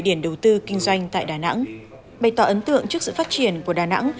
điển đầu tư kinh doanh tại đà nẵng bày tỏ ấn tượng trước sự phát triển của đà nẵng